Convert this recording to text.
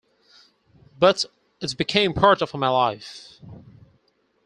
But it became part of my life.